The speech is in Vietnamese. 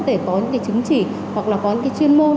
để có những cái chứng chỉ hoặc là có những cái chuyên môn